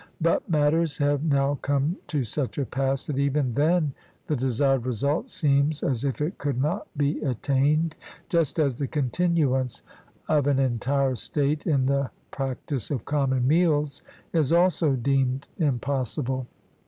But matters have now come to such a pass that even then the desired result seems as if it could not be attained, just as the continuance of an entire state in the practice of common meals is also deemed impossible.